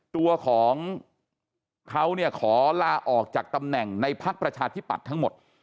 ตัวของเขาเนี่ยขอลาออกจากตำแหน่งในพักประชาธิปัตย์ทั้งหมด